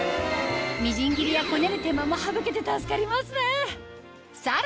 みじん切りやこねる手間も省けて助かりますね